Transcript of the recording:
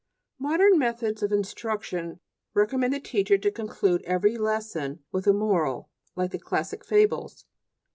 Modern methods of instruction recommend the teacher to conclude every lesson with a moral, like the classic fables.